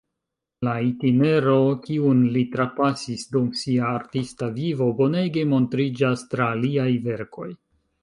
La itinero, kion li trapasis dum sia artista vivo, bonege montriĝas tra liaj verkoj.